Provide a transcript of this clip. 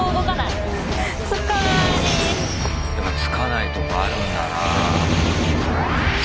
やっぱつかないとかあるんだな。